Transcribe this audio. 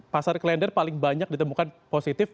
pasar klender paling banyak ditemukan positif